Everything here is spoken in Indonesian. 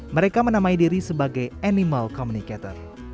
mereka menamai diri sebagai animal communicator